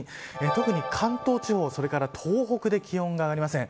特に関東地方それから東北で気温が上がりません。